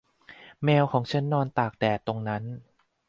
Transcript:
แมวของฉันนอนตากแดดตรงนั้น